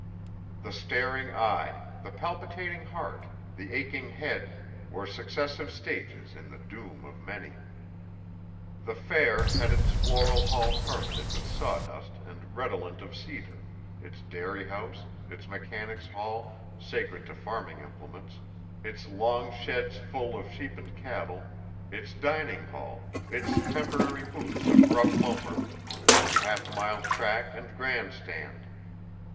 The staring eye, the palpitating heart, the aching head, were successive stages in the doom of many. The fair had its floral hall carpeted with sawdust and redolent of cedar, its dairy house, its mechanics' hall sacred to farming implements, its long sheds full of sheep and cattle, its dining hall, its temporary booths of rough lumber, its half mile track and grandstand.